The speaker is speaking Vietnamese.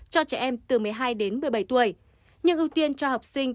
cho trẻ em từ một mươi hai đến một mươi bảy tuổi nhưng ưu tiên cho học sinh